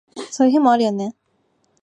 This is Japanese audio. そういう日もあるよね